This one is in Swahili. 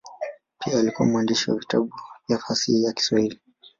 Pia alikuwa mwandishi wa vitabu vya fasihi ya Kiswahili.